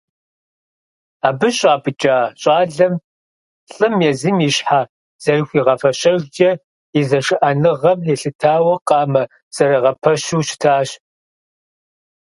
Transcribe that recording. Абы щӀапӀыкӀа щӀалэм, лӀым, езым и щхьэ зэрыхуигъэфэщэжкӀэ, и зышыӀэныгъэм елъытауэ къамэ зэрагъэпэщу щытащ.